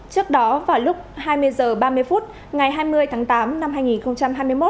trước đó vào lúc hai mươi h ba mươi phút ngày hai mươi tháng tám năm hai nghìn hai mươi một